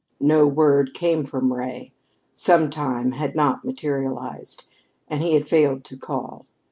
No word came from Ray. "Sometime" had not materialized and he had failed to call.